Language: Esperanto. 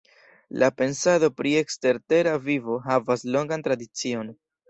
La pensado pri ekstertera vivo havas longan tradicion.